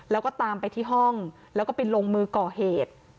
แล้วก็ตามไปที่ห้องแล้วก็ไปลงมือก่อเหตุ